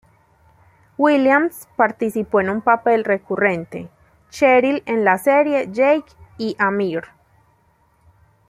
Williams participó en un papel recurrente, Cheryl, en la serie "Jake y Amir".